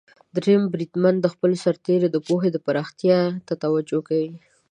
دریم بریدمن د خپلو سرتیرو د پوهې پراختیا ته توجه کوي.